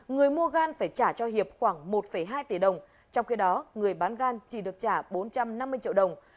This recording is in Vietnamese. người mua gan phải trả cho hiệp khoảng một hai tỷ đồng trong khi đó người bán gan chỉ được trả bốn trăm năm mươi triệu đồng